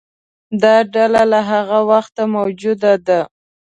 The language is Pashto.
دا ډله له هغه وخته موجوده ده.